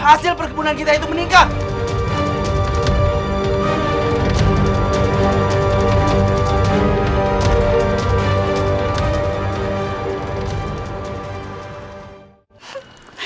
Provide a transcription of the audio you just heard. hasil perkebunan kita itu meningkat